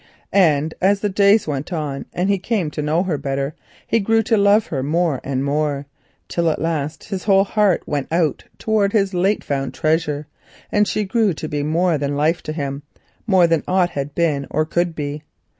Then as the days went on and he came to know her better, he grew to love her more and more, till at last his whole heart went out towards his late found treasure, and she became more than life to him, more than aught else had been or could be.